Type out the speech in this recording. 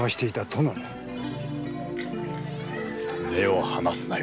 目を離すなよ。